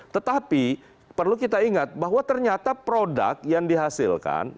tetapi perlu kita ingat bahwa ternyata produk yang dihasilkan